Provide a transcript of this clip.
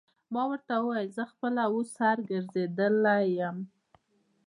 ما ورته وویل: زه خپله اوس سر ګرځېدلی یم.